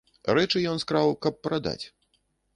Рэчы ён скраў, каб прадаць.